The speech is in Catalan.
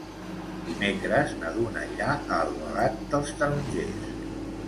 Dimecres na Duna irà a Albalat dels Tarongers.